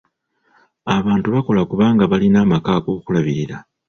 Abantu bakola kubanga balina amaka ag'okulabirira.